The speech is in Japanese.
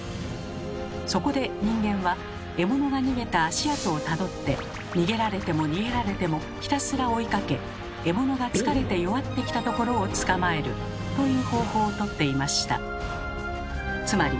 そこで人間は獲物が逃げた足跡をたどって逃げられても逃げられてもひたすら追いかけ獲物が疲れて弱ってきたところを捕まえるという方法をとっていました。